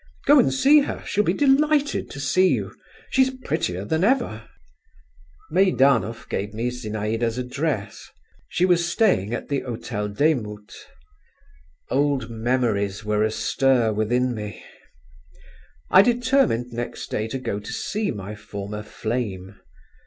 Go and see her; she'll be delighted to see you. She's prettier than ever." Meidanov gave me Zinaïda's address. She was staying at the Hotel Demut. Old memories were astir within me…. I determined next day to go to see my former "flame."